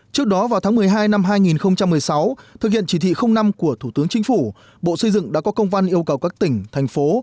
trước đó vào tháng một mươi hai năm hai nghìn một mươi sáu thực hiện chỉ thị năm của thủ tướng chính phủ bộ xây dựng đã có công văn yêu cầu các tỉnh thành phố